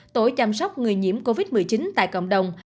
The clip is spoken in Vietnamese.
tổ chăm sóc người nhiễm covid một mươi chín tại cộng đồng